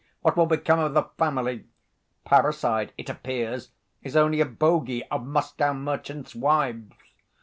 What will become of the family? Parricide, it appears, is only a bogy of Moscow merchants' wives.